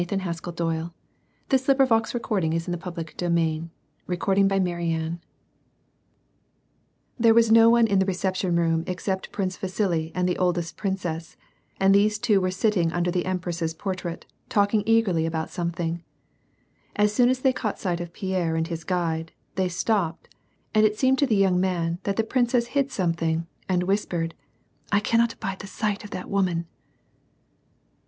CHAPTER XXTL There was no one in the reception room except Prince Vasili and the oldest princess, and these two were sitting under the empress's portrait, talking eagerly about some thing. As soon as they caught sight of Pierre and his guide, they stopped, and it seemed to the young man that the prin cess hid something and whispered, —" I cannot abide the sight of that woman."